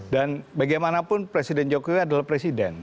dan bagaimanapun presiden jokowi adalah presiden